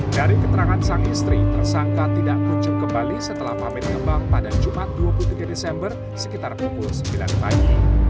dari keterangan sang istri tersangka tidak kunjung kembali setelah pamit ke bank pada jumat dua puluh tiga desember sekitar pukul sembilan pagi